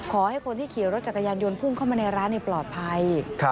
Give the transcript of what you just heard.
ขอให้คนที่ขี่รถจักรยานยนต์พุ่งเข้ามาในร้านปลอดภัย